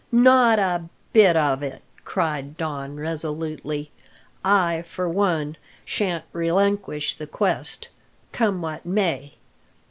"Not a bit of it!" cried Don resolutely. "I, for one, shan't relinquish the quest, come what may.